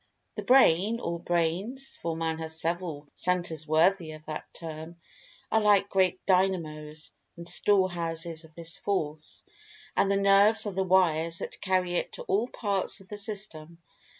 The Brain, or brains (for Man has several centres worthy of that term) are like great dynamos and storehouses of this Force, and the nerves are the wires that carry it to all parts of the system.